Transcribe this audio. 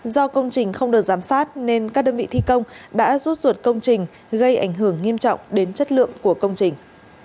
do công trình không được giám sát nên các đơn vị thi công đã rút ruột công trình gây ảnh hưởng nghiêm trọng đến chất lượng của công trình